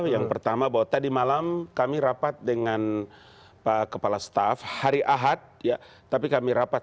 yang pertama bahwa tadi malam kami rapat dengan pak kepala staff hari ahad tapi kami rapat